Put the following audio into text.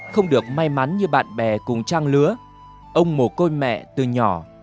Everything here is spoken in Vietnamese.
không được may mắn như bạn bè cùng trang lứa ông mồ côi mẹ từ nhỏ